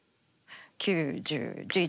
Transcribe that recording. ９１０１１。